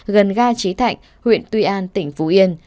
gần ga trí thạnh huyện tuy an tỉnh phú yên